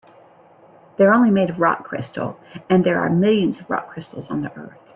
They're only made of rock crystal, and there are millions of rock crystals in the earth.